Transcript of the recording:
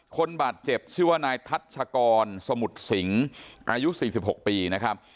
คนบาดเจ็บชื่อว่านายทัชกรสมุทรสิงอายุ๔๖ปีนะครับ